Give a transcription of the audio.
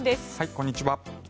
こんにちは。